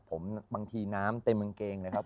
ผมบางทีน้ำเต็มกางเกงเลยครับ